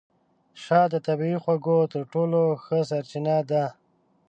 شات د طبیعي خوږو تر ټولو ښه سرچینه ده.